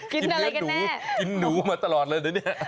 กินเหนือหนูมาตลอดเลยนะเนี่ย